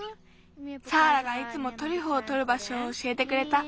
サーラがいつもトリュフをとるばしょをおしえてくれた。